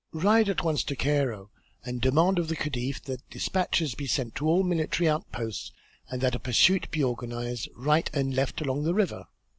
Ride at once to Cairo and demand of the Khedive that despatches be sent to all the military outposts and that a pursuit be organized right and left along the river.